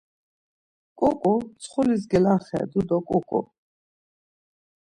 Ǩuǩǩu mtsxulis gelaxet̆u do Ǩuǩǩu!